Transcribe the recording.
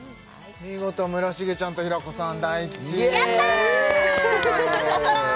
見事村重ちゃんと平子さん大吉イエーイ！